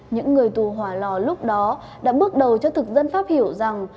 những người tù hòa lò lúc đó đã bước đầu cho thực dân pháp hiểu rằng